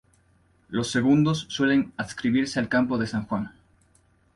Los segundos suelen adscribirse al Campo de San Juan.